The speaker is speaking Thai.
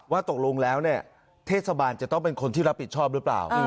ตกลงแล้วเนี่ยเทศบาลจะต้องเป็นคนที่รับผิดชอบหรือเปล่า